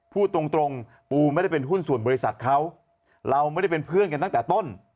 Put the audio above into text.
พูดตรงตรงปูไม่ได้เป็นหุ้นส่วนบริษัทเขาเราไม่ได้เป็นเพื่อนกันตั้งแต่ต้น